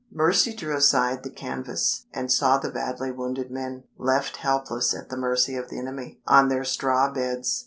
Mercy drew aside the canvas, and saw the badly wounded men, left helpless at the mercy of the enemy, on their straw beds.